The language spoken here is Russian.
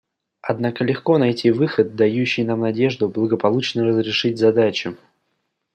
Однако легко найти выход, дающий нам надежду благополучно разрешить задачу.